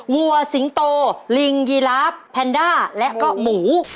วัวสิงโตลิงยีลาฟแพนด้าและก็หมู